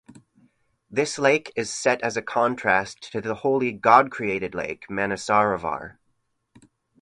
This lake is set as a contrast to the holy god-created Lake Manasarovar.